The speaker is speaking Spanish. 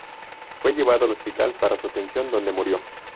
Fue llevado al hospital para su atención, donde murió.